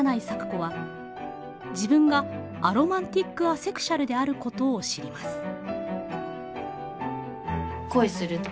咲子は自分がアロマンティックアセクシュアルであることを知ります。